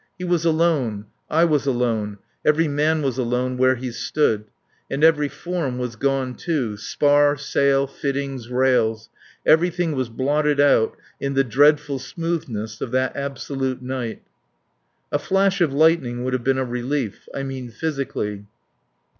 He was alone, I was alone, every man was alone where he stood. And every form was gone too, spar, sail, fittings, rails; everything was blotted out in the dreadful smoothness of that absolute night. A flash of lightning would have been a relief I mean physically.